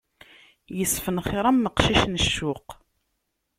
Isfenxiṛ am uqcic n ccuq.